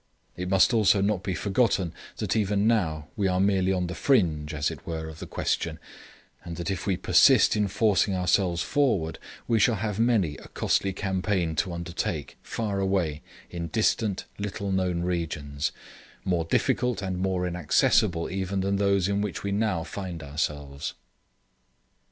It must also not be forgotten, that even now we are merely on the fringe, as it were, of the question; and that if we persist in forcing ourselves forward, we shall have many a costly campaign to undertake far away in distant, little known regions, more difficult and more inaccessible even than those in which we now find ourselves.